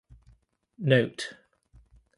Note.